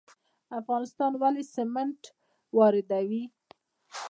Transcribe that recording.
افغانستان ولې سمنټ واردوي؟